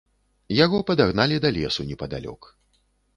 Яго падагналі да лесу непадалёк.